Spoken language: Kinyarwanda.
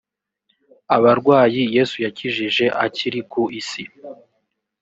Abarwayi Yesu yakijije akiri ku isi